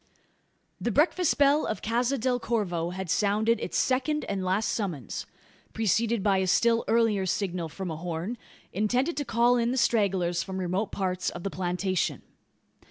The breakfast bell of Casa del Corvo had sounded its second and last summons preceded by a still earlier signal from a horn, intended to call in the stragglers from remote parts of the plantation.